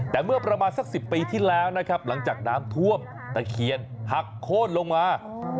แต่เมื่อประมาณสัก๑๐ปีที่แล้วนะครับหลังจากน้ำท่วมตะเคียนหักโค้นลงมา